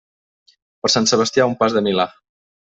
Per Sant Sebastià, un pas de milà.